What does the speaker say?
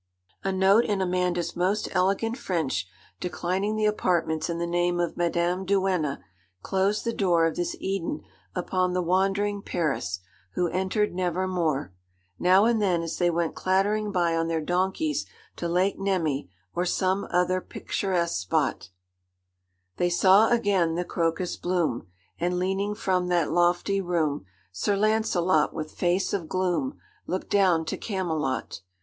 A note in Amanda's most elegant French, declining the apartments in the name of Madame Duenna, closed the door of this Eden upon the wandering peris, who entered never more. Now and then, as they went clattering by on their donkeys to Lake Nemi, or some other picturesque spot, They saw again the crocus bloom, And, leaning from that lofty room, Sir Launcelot with face of gloom Look down to Camelot.